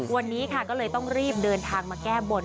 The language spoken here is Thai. วันนี้ค่ะก็เลยต้องรีบเดินทางมาแก้บน